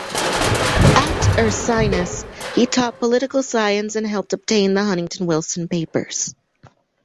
At Ursinus he taught political science and helped obtain the Huntington Wilson Papers.